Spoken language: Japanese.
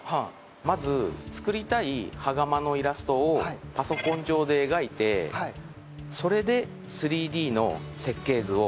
まず作りたい羽釜のイラストをパソコン上で描いてそれで３Ｄの設計図を作ります。